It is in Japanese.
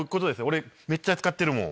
俺めっちゃ使ってるもん。